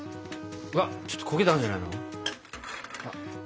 うわちょっと焦げたんじゃないの？